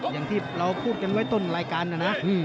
อย่างที่เราพูดกันไว้ต้นรายการนะนะ